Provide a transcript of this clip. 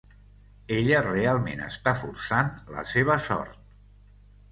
Ella realment està forçant la seva sort!